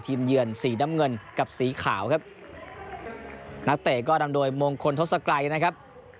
เยือนสีน้ำเงินกับสีขาวครับนักเตะก็นำโดยมงคลทศกรัยนะครับ